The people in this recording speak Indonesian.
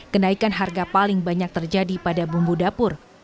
kenaikan harga paling banyak terjadi pada bumbu dapur